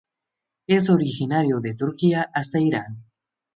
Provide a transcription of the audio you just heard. Es originario de Turquía hasta Irán.